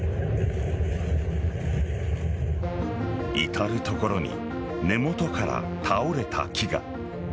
至る所に根元から倒れた木が。